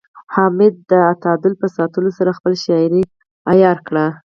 حمید د اعتدال په ساتلو سره خپله شاعرۍ عیاره کړه